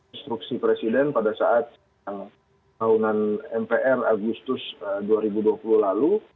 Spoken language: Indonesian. instruksi presiden pada saat tahunan mpr agustus dua ribu dua puluh lalu